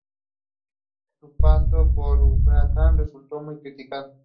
Su paso por Huracán resultó muy criticado.